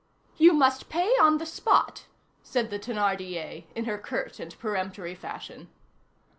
"You must pay on the spot," said the Thénardier, in her curt and peremptory fashion.